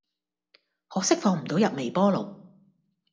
可惜放唔到入微波爐